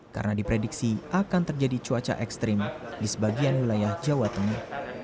karena diprediksi akan terjadi cuaca ekstrim di sebagian wilayah jawa tengah